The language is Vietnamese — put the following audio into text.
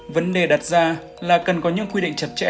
vấn đề đặt ra là cần có những quy định chặt chẽ